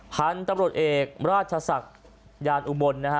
พันธุ์ตำรวจเอกราชศักดิ์ยานอุบลนะฮะ